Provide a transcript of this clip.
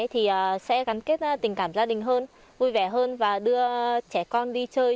thì sẽ gắn kết tình cảm gia đình hơn vui vẻ hơn và đưa trẻ con đi chơi